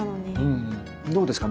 どうですか？